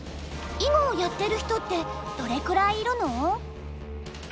囲碁をやってる人ってどれくらいいるの？